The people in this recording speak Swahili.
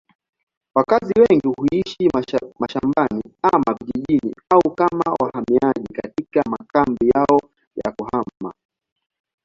Wakazi wengi huishi mashambani ama vijijini au kama wahamiaji katika makambi yao ya kuhama.